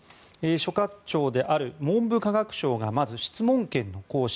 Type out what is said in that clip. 所轄庁である文部科学省がまず質問権の行使